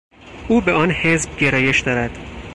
او به آن حزب گرایش دارد.